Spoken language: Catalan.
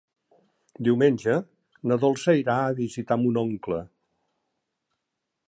Diumenge na Dolça irà a visitar mon oncle.